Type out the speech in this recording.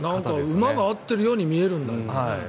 馬が合ってるように見えるんだよね。